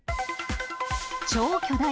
超巨大！